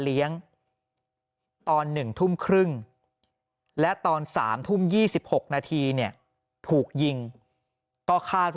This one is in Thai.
เลี้ยงตอน๑ทุ่มครึ่งและตอน๓ทุ่ม๒๖นาทีเนี่ยถูกยิงก็คาด